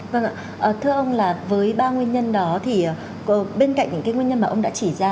vâng ạ thưa ông là với ba nguyên nhân đó thì bên cạnh những cái nguyên nhân mà ông đã chỉ ra